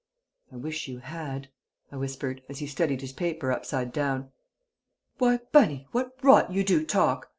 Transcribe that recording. '" "I wish you had," I whispered, as he studied his paper upside down. "Why, Bunny? What rot you do talk!"